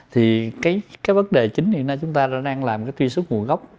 thì cái vấn đề chính hiện nay chúng ta đang làm cái tuyên sức nguồn gốc